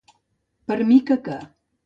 Per mica que.